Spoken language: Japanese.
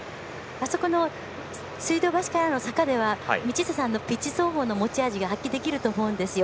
水道橋からの坂では道下さんのピッチ走法の持ち味が発揮できると思うんですよ。